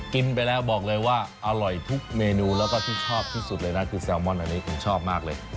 กินไปแล้วบอกเลยว่าอร่อยทุกเมนูแล้วก็ที่ชอบที่สุดเลยนะคือแซลมอนอันนี้ผมชอบมากเลย